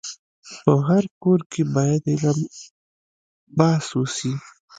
په هر کور کي باید علم بحث وسي.